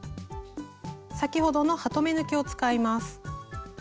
先ほどのハトメ抜きを使います。